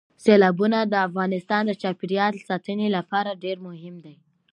سیلابونه د افغانستان د چاپیریال ساتنې لپاره ډېر مهم دي.